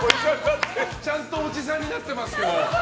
ちゃんとおじさんになってますけど。